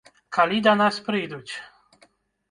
Калі да нас прыйдуць.